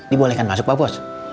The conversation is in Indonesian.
dibolehkan masuk pak bos